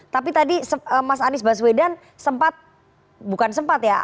tapi tadi mas anies baswedan sempat bukan sempat ya